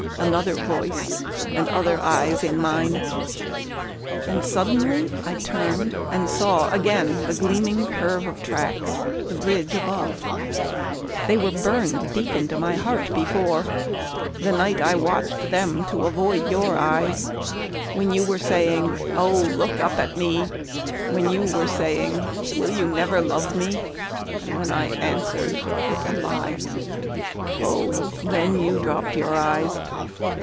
Another voice and other eyes in mine! And suddenly I turned and saw again The gleaming curve of tracks, the bridge above They were burned deep into my heart before, The night I watched them to avoid your eyes, When you were saying, "Oh, look up at me!" When you were saying, "Will you never love me?" And when I answered with a lie. Oh then You dropped your eyes.